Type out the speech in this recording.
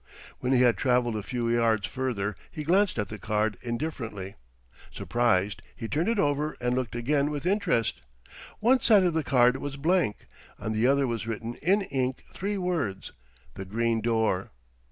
When he had travelled a few yards further he glanced at the card indifferently. Surprised, he turned it over and looked again with interest. One side of the card was blank; on the other was written in ink three words, "The Green Door."